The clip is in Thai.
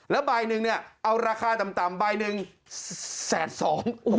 แล้วใบหนึ่งเนี่ยเอาราคาต่ำใบหนึ่งแสนสอง